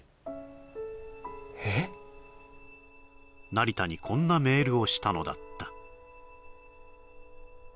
成田にこんなメールをしたのだった